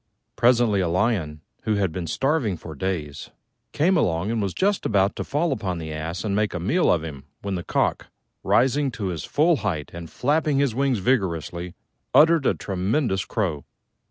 Presently a Lion, who had been starving for days, came along and was just about to fall upon the Ass and make a meal of him when the Cock, rising to his full height and flapping his wings vigorously, uttered a tremendous crow.